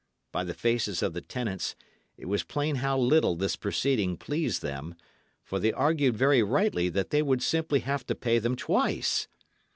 By the faces of the tenants, it was plain how little this proceeding pleased them; for they argued very rightly that they would simply have to pay them twice.